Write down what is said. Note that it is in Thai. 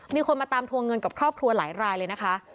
มีคนมาตามทวงเงินกับครอบครัวหลายรายเลยนะคะ